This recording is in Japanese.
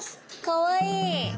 かわいい。